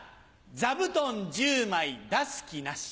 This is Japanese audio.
座布団１０枚出す気なし。